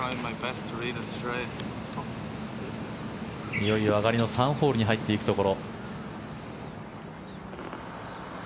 いよいよ上がりの３ホールに入っていくところ。